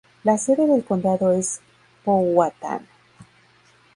La sede del condado es Powhatan.